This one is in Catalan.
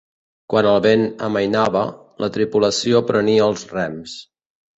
Quan el vent amainava, la tripulació prenia els rems.